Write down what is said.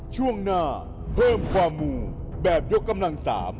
ช่วงหน้าเพิ่มความมูแบบยกกำลัง๓